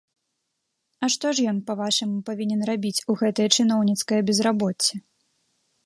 А што ж ён, па-вашаму, павінен рабіць у гэтае чыноўніцкае безрабоцце?